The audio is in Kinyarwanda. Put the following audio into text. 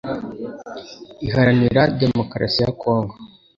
Iharanira Demokarasi ya Congo